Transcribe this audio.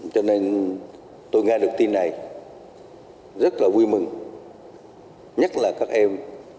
cho nên tôi nghe được tin này rất là vui mừng nhất là các em